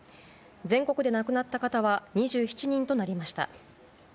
全国で亡くなった方は２７人となりました。